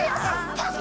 パス！